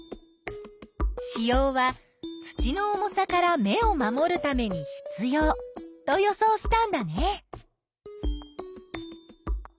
子葉は土の重さから芽を守るために必要と予想したんだね。